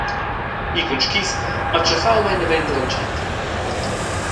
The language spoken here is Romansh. Ir cun skis ha tschaffau mei naven dall’entschatta.